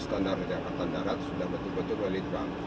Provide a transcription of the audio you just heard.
karena sudah benar benar sudah betul betul oleh dislitbank